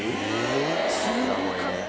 すごかった。